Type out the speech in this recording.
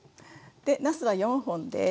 でなすは４本です。